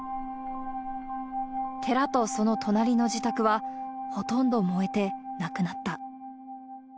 寺とその隣の自宅はほとんど燃えてなくなった。